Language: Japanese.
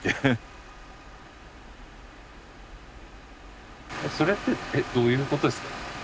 えっそれってどういうことですか？